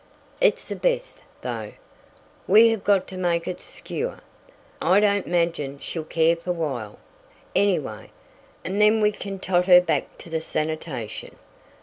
"It's the best, though. We hev got to make it s'cure. I don't 'magine she'll care fer awhile, any way. And then we kin tote her back to the sanitation."